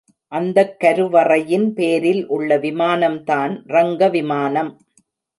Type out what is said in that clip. அந்தக் கருவறையின் பேரில் உள்ள விமானம்தான் ரங்கவிமானம்.